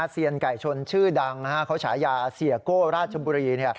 เซียนไก่ชนชื่อดังเขาฉายาเสียโก้ราชบุรี